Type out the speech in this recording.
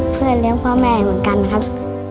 เพื่อเลี้ยงพ่อแม่เหมือนกันครับ